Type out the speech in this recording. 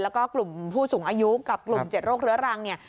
แล้วก็กลุ่มผู้สูงอายุกับกลุ่ม๗โรคเรื้อรังเนี่ย